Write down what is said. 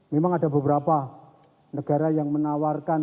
memang ada beberapa negara yang menawarkan